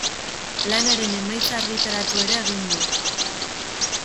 Lanaren emaitza argitaratu ere egin du.